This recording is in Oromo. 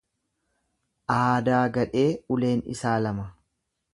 Aadaa gadhee uleen isaa lama.